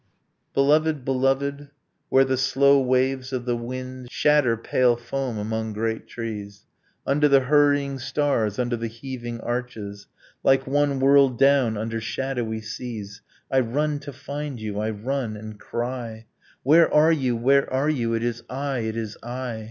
Beloved, beloved, where the slow waves of the wind Shatter pale foam among great trees, Under the hurrying stars, under the heaving arches, Like one whirled down under shadowy seas, I run to find you, I run and cry, Where are you? Where are you? It is I. It is I.